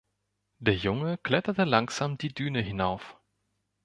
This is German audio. Der Junge kletterte langsam die Düne hinauf.